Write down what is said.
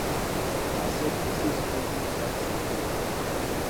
سیاست اسی صورت میں بچ سکتی ہے۔